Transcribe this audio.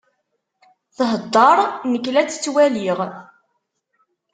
Thedder, nek la tt-ttwaliɣ.